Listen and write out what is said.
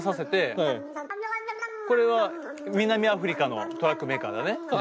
これは南アフリカのトラックメーカーだね左。